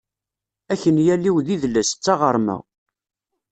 Akenyal-iw d idles, d taɣerma.